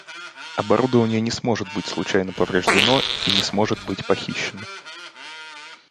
Оборудование не сможет быть случайно повреждено и не сможет быть похищено